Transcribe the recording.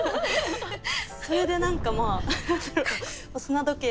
それで何かまあ砂時計